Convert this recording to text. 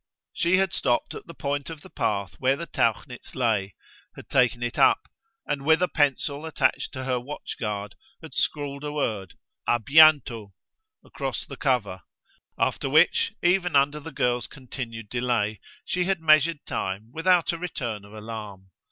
She had stopped at the point of the path where the Tauchnitz lay, had taken it up and, with the pencil attached to her watch guard, had scrawled a word a bientot! across the cover; after which, even under the girl's continued delay, she had measured time without a return of alarm.